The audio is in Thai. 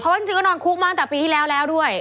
ว่าจริงก็นอนคุกมาตั้งแต่ปีที่แล้วแล้วด้วย